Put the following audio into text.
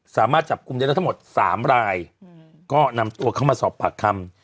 สามารถจับกลุ่มได้แล้วทั้งหมด๓รายก็นำตัวเข้ามาสอบปากคำ